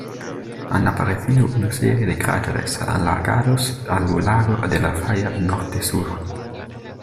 Han aparecido una serie de cráteres alargados a lo largo de la falla norte-sur.